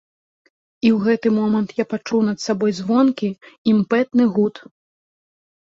І ў гэты момант я пачуў над сабой звонкі імпэтны гуд.